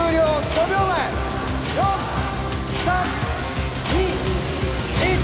５秒前４３２１